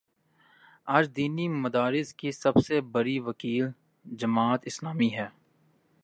آج دینی مدارس کی سب سے بڑی وکیل جماعت اسلامی ہے۔